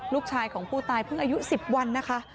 ลูกชายของผู้ตายเพิ่งอายุ๑๐วันนะคะ